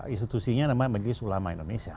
institusinya namanya majelis ulama indonesia